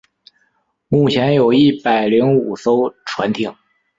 目前有一百零五艘船艇。